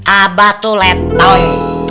abah tuh letoy